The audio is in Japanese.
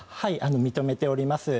認めております。